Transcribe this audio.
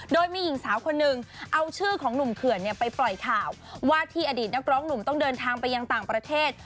โดยมีหญิงสาวคนหนึ่งเอาชื่อของหนุ่มเขื่อนไปปล่อยข่าวว่าที่อดีตนักร้องหนุ่มต้องเดินทางไปยังต่างประเทศ